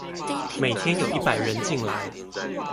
每天有一百人進來